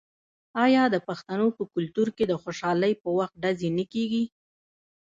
آیا د پښتنو په کلتور کې د خوشحالۍ په وخت ډزې نه کیږي؟